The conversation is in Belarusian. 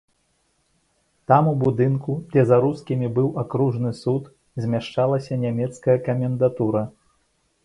Там, у будынку, дзе за рускімі быў акружны суд, змяшчалася нямецкая камендатура.